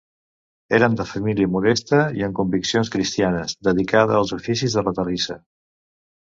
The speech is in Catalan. Eren de família modesta i amb conviccions cristianes, dedicada als oficis de la terrissa.